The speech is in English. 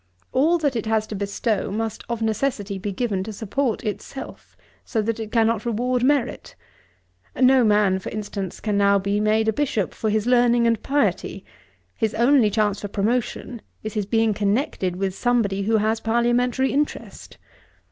All that it has to bestow must of necessity be given to support itself; so that it cannot reward merit. No man, for instance, can now be made a Bishop for his learning and piety; his only chance for promotion is his being connected with somebody who has parliamentary interest.